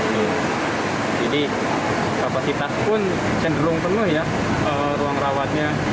jadi kapasitas pun cenderung penuh ruang rawatnya